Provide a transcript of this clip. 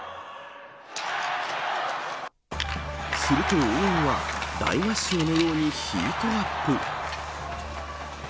すると応援は大合唱のようにヒートアップ。